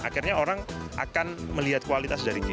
akhirnya orang akan melihat kualitas dari dia